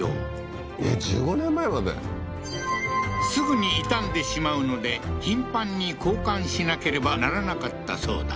すぐに傷んでしまうので頻繁に交換しなければならなかったそうだ